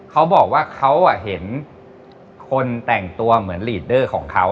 เขาบอกว่าเขาเห็นคนแต่งตัวเหมือนลีดเดอร์ของเขา